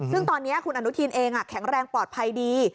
ซึ่งตอนนี้คุณอนุทินเองแข็งแรงปลอดภัยดี